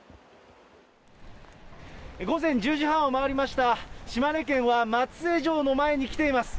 午前１０時半を回りました、島根県は松江城の前に来ています。